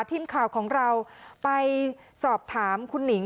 ทีมข่าวของเราไปสอบถามคุณหนิง